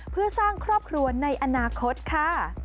เพื่อสร้างครอบครัวในอนาคตค่ะ